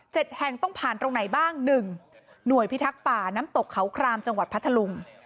แห่งต้องผ่านตรงไหนบ้างหนึ่งหน่วยพิทักษ์ป่าน้ำตกเขาครามจังหวัดพัทธลุง